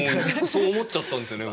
そう思っちゃったんですよね